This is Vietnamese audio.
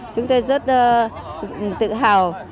chúng tôi rất tự hào